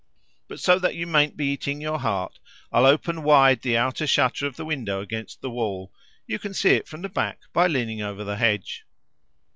But so that you mayn't be eating your heart, I'll open wide the outer shutter of the window against the wall; you can see it from the back by leaning over the hedge."